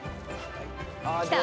きた？